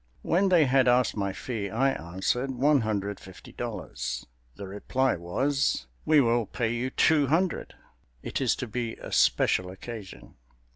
When they had asked my fee I answered, "One Hundred Fifty Dollars." The reply was, "We will pay you Two Hundred—it is to be a special occasion."